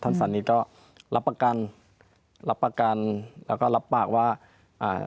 สันนิษก็รับประกันรับประกันแล้วก็รับปากว่าอ่า